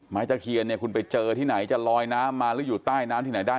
ตะเคียนเนี่ยคุณไปเจอที่ไหนจะลอยน้ำมาหรืออยู่ใต้น้ำที่ไหนได้